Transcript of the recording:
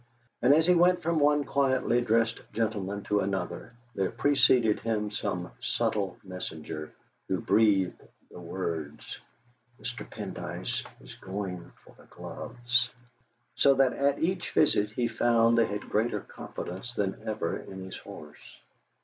And as he went from one quietly dressed gentleman to another there preceded him some subtle messenger, who breathed the words, 'Mr. Pendyce is going for the gloves,' so that at each visit he found they had greater confidence than ever in his horse.